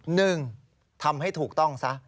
หนึ่งทำให้ถูกต้องซะ